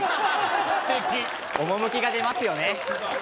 素敵趣が出ますよね